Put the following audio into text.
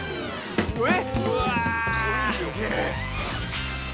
うわ！